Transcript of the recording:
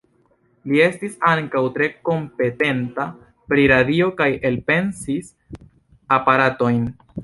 Li estis ankaŭ tre kompetenta pri radio kaj elpensis aparatojn.